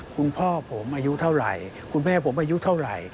คุณพ่อผมอายุเท่าไหร่คุณแม่ผมอายุเท่าไหร่